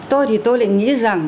tôi thì tôi lại nghĩ rằng